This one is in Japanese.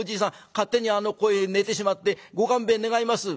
勝手にここへ寝てしまってご勘弁願います」。